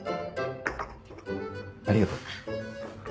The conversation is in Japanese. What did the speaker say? ありがとう。